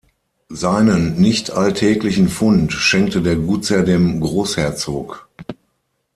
Seinen nicht alltäglichen Fund schenkte der Gutsherr dem Großherzog.